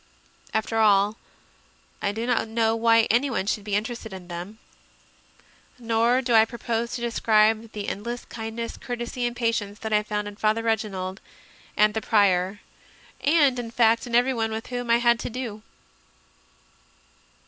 After all, I do not know why anyone should be interested in them. Nor do I propose to describe the endless kindness, courtesy, and patience that I found in Father Reginald and the Prior, and, in fact, in everyone with whom I had to do.